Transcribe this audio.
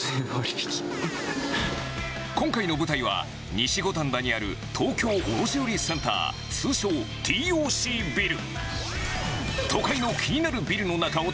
今回の舞台は、西五反田にある東京卸売りセンター、通称、ＴＯＣビル。